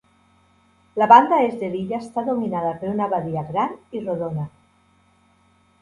La banda est de l'illa està dominada per una badia gran i rodona.